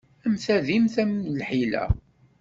Am tadimt, am lḥila.